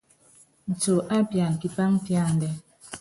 Nco á pian pipaŋ píandɛ́.